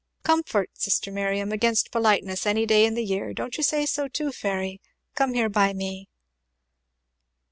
Comfort, sister Miriam, against politeness, any day in the year; don't you say so too, Fairy? Come here by me."